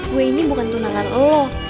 gue ini bukan tunangan lo